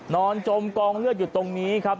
จมกองเลือดอยู่ตรงนี้ครับ